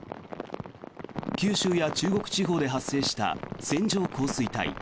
九州や中国地方で発生した線状降水帯。